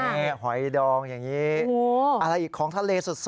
นี่หอยดองอย่างนี้อะไรอีกของทะเลสุด